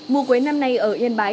mùa quế năm nay ở yên bái